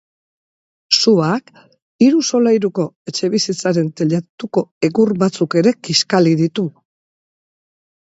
Suak hiru solairuko etxebizitzaren teilatuko egur batzuk ere kiskali ditu.